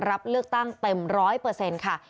รับเลือกตั้งเต็ม๑๐๐ค่ะ